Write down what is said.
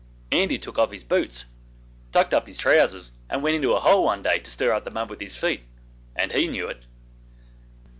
Andy took off his boots, tucked up his trousers, and went into a hole one day to stir up the mud with his feet, and he knew it.